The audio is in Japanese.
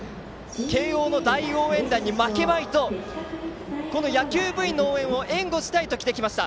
慶応の大応援団に負けまいと野球部員の応援を援護したいと着てきました。